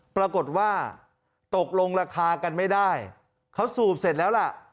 ปรากฏว่าตกลงราคากันไม่ได้เขาสูบเสร็จแล้วล่ะ